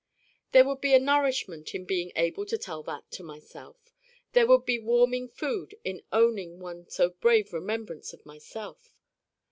There would be a nourishment in being able to tell that to myself. There would be warming food in owning one so brave remembrance of myself.